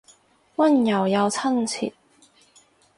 溫柔又親切